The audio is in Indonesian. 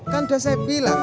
kan udah saya bilang